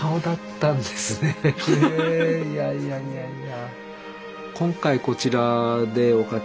いやいやいやいや。